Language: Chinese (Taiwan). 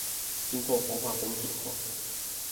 經過風化分解後